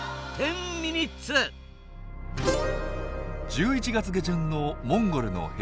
１１月下旬のモンゴルの平原地帯。